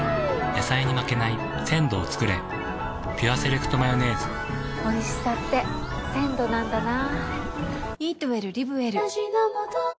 野菜に負けない鮮度をつくれ「ピュアセレクトマヨネーズ」おいしさって鮮度なんだな。